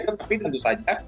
tetapi tentu saja